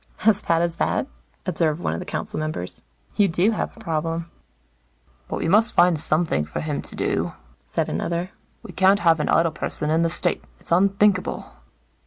"As bad as that?" observed one of the council members. "You do have a problem." "But we must find something for him to do," said another. "We can't have an idle person in the State. It's unthinkable."